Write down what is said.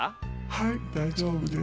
はい大丈夫です。